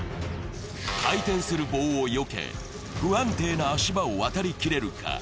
回転する棒を避け、不安定な足場を渡りきれるか。